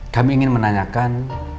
kami ingin menanyakan